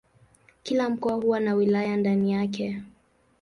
Kila mkoa huwa na wilaya ndani yake.